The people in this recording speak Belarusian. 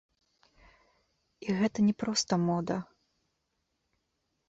І гэта не проста мода.